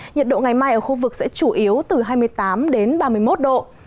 nhiệt độ ngày mai ở khu vực sẽ chủ yếu từ hai mươi tám đến ba mươi một độ